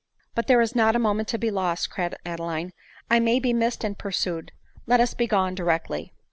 " But there is not a moment to be lost," cried Ade line ;" I may be missed and pursued ; let us be gone directly."